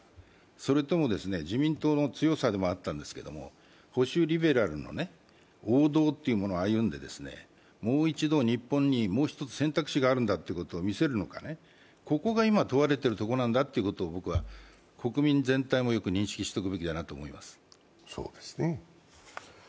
それとも自民党の強さでもあったんだけれども、保守リベラルの王道というものを歩んでもう一度日本に、もう１つ選択肢があることを見せるのか、ここが今問われてることなんだと国民全体もよく認識しておくべきだなと思います。